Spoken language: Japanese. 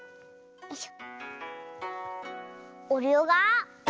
よいしょ。